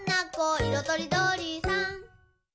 いろとりどりさん」